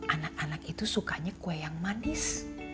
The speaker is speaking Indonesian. anak anak itu sukanya kue yang manis